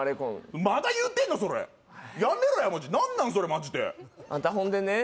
まだ言うてんのそれやめろやマジ何なんそれマジでアンタほんでね